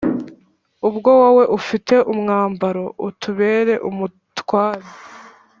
Ubwo wowe ufite umwambaro, utubere umutware,